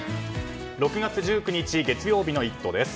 ６月１９日、月曜日の「イット！」です。